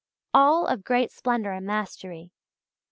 all of great splendour and mastery.